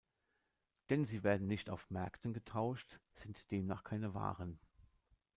Denn sie werden nicht auf Märkten getauscht, sind demnach keine Waren.